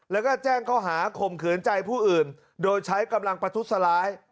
แล้วก็แจ้งข้อหาข่มขืนใจผู้อื่นโดยใช้กำลังประทุษร้าย